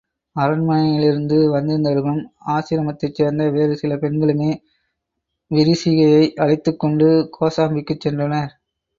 அரண்மனையிலிருந்து வந்திருந்தவர்களும் ஆசிரமத்தைச் சேர்ந்த வேறு சில பெண்களுமே விரிசிகையை அழைத்துக் கொண்டு கோசாம்பிக்குச் சென்றனர்.